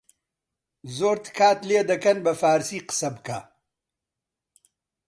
«زۆر تکات لێ دەکەن بە فارسی قسە بکە